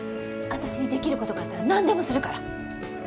私にできる事があったらなんでもするから。